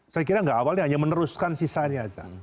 saya kira nggak awalnya hanya meneruskan sisanya saja